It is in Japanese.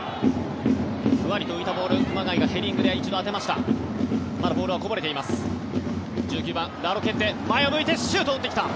ふわりと浮いたボール熊谷がヘディングで一度当てました。